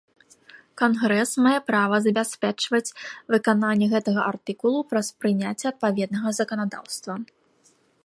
Кангрэс мае права забяспечваць выкананне гэтага артыкулу праз прыняцце адпаведнага заканадаўства.